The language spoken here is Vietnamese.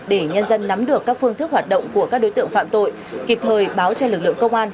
để nhân dân nắm được các phương thức hoạt động của các đối tượng phạm tội kịp thời báo cho lực lượng công an